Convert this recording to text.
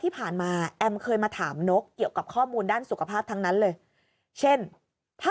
ที่ผ่านมาแอมเคยมาถามนกเกี่ยวกับข้อมูลด้านสุขภาพทั้งนั้นเลยเช่นถ้า